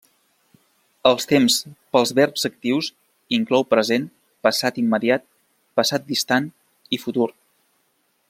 Els temps per als verbs actius inclou present, passat immediat, passat distant i futur.